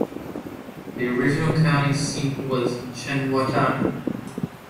The original county seat was Chengwatana.